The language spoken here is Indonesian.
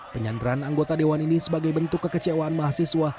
penyanderaan anggota dewan ini sebagai bentuk kekecewaan mahasiswa